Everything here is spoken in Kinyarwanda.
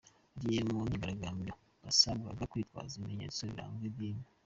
Abagiye mu myigaragambyo basabwaga kwitwaza ibimenyetso biranga idini.